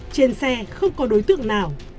trên xe không có đối tượng nào